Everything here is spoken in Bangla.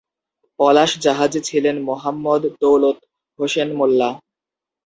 পলাশ জাহাজে ছিলেন মোহাম্মদ দৌলত হোসেন মোল্লা।